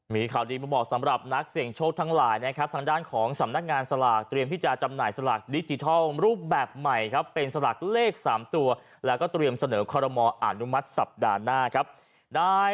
มีข่าวดีมาบอกสำหรับนักเสี่ยงโชคทั้งหลายนะครับทางด้านของสำนักงานสลากเตรียมที่จะจำหน่ายสลากดิจิทัลรูปแบบใหม่ครับเป็นสลากเลข๓ตัวแล้วก็เตรียมเสนอคอรมออนุมัติสัปดาห์หน้าครับได้